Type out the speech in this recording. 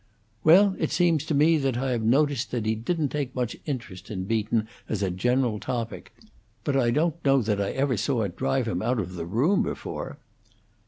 "Well, it seems to me that I have noticed that he didn't take much interest in Beaton, as a general topic. But I don't know that I ever saw it drive him out of the room before!"